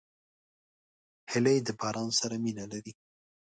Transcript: هیلۍ د باران سره مینه لري